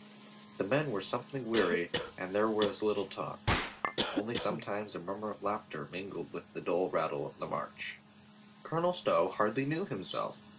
The men were something weary and there was little talk. Only sometimes a murmur of laughter mingled with the dull rattle of the march. Colonel Stow hardly knew himself.